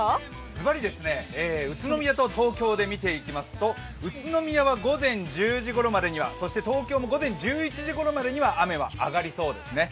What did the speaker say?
ずばり、宇都宮と東京で見ていきますと宇都宮は午前１０時ごろまでには、東京も午前１１時ごろまでには雨が上がりそうですね。